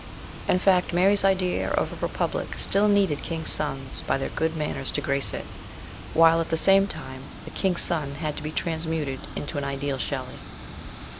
In fact, Mary's idea of a republic still needed kings' sons by their good manners to grace it, while, at the same time, the king's son had to be transmuted into an ideal Shelley.